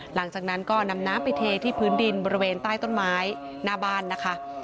หลังจากนั้นก็นำน้ำไปเทที่พื้นดินบริเวณใต้ต้นไม้หน้าบ้านนะคะ